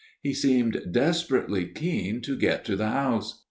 He seemed desperately keen to get to the house.